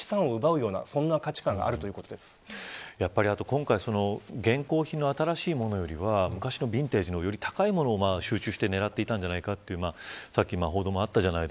今回、現行品の新しいものよりビンテージの高いものを集中して狙っていたんじゃないかという報道もありました。